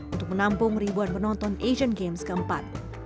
untuk menampung ribuan penonton asian games keempat